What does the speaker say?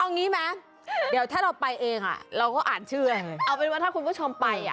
เอางี้ไหมเดี๋ยวถ้าเราไปเองอ่ะเราก็อ่านชื่อเอาเป็นว่าถ้าคุณผู้ชมไปอ่ะ